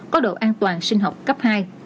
có độ an toàn sinh học cấp hai